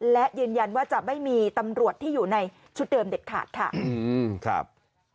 และยืนยันว่าจะไม่มีตำรวจที่อยู่ในชุดเดิมเด็ดขาดค่ะ